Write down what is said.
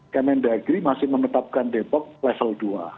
kemen dagri masih menetapkan depok level dua